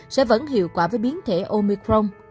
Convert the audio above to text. sẽ vẫn hiệu quả với biến thể omicron